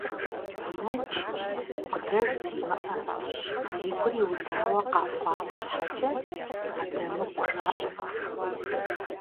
Гунэдж, гукъыдэж зимыӏэ, зи гур иудауэ къэхъуам щхьэкӏэ адэмыгу жаӏэрт.